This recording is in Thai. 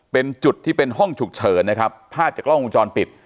เป็นจุดที่เป็นห้องฉุกเฉินนะครับภาพจากกล้องวงจรปิด